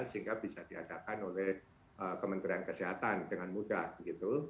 sehingga bisa diadakan oleh kementerian kesehatan dengan mudah gitu